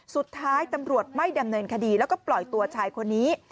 สุดท้ายตำรวจไม่ดำเนินคดีแล้วก็ปล่อยตัวชายคนนี้